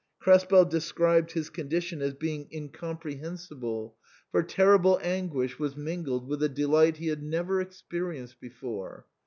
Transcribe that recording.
Krespel described his condition as being incompre THE CREMONA VIOLIN. 31 hensible, for terrible anguish was mingled with a de light he had never experienced before.